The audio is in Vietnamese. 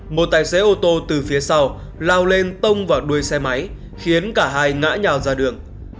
một tài xế ô tô từ phía sau lao lên tông vào đuôi xe máy khiến cả hai ngã ra đường